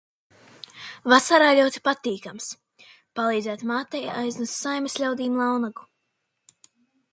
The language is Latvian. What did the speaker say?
Vasarā ļoti patīkams, palīdzēt mātei aiznest saimes ļaudīm launagu.